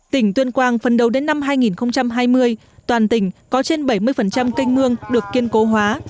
tỉnh tuyên quang phần đầu đến năm hai nghìn hai mươi toàn tỉnh có trên bảy mươi canh mương được kiên cố hóa